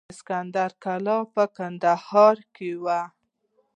د اسکندر کلا په کندهار کې وه